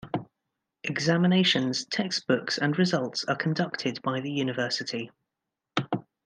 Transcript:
Examinations, textbooks and results are conducted by the university.